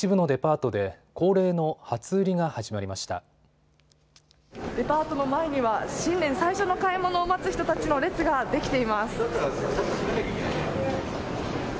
デパートの前には新年最初の買い物を待つ人たちの列ができています。